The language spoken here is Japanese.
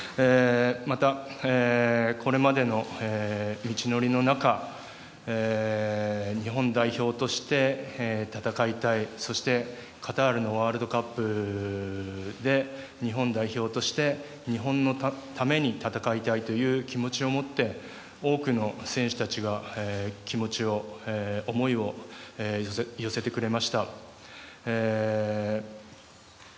また、これまでの道のりの中日本代表として戦いたいそしてカタールのワールドカップで日本代表として日本のために戦いたいという気持ちを持って多くの選手たちが気持ちを、思いを寄せてくれました。